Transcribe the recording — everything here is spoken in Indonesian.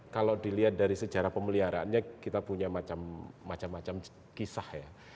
kalau dilihat dari sejarah pemeliharaannya kita punya macam macam kisah ya